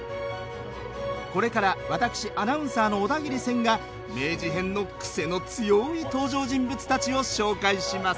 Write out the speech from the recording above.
これから私アナウンサーの小田切千が明治編の癖の強い登場人物たちを紹介します。